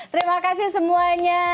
terima kasih semuanya